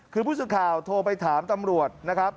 คือผู้สื่อข่าวโทรไปถามตำรวจนะครับ